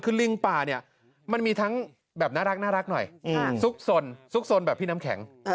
คือลิงป่าเนี่ยมันมีทั้งแบบน่ารักหน่อยซุกสนซุกสนแบบพี่น้ำแข็ง